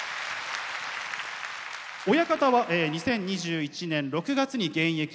親方は２０２１年６月に現役を引退。